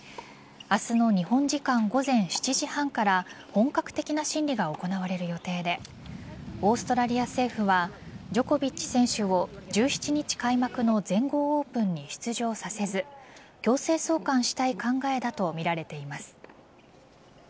明日の日本時間午前７時半から本格的な審理が行われる予定でオーストラリア政府はジョコビッチ選手を１７日開幕の全豪オープンに出場させず強制送還したい考えだとみられています。